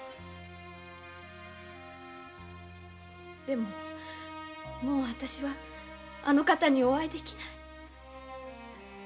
でももう私はあの方にお会いできない。